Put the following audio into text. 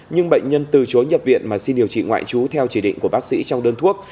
nhưng bệnh nhân từ chối nhập viện mà xin điều trị ngoại trú theo chỉ định của bác sĩ trong đơn thuốc